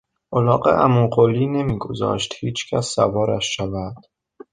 الاغ عمو قلی نمیگذاشت هیچکس سوارش شود.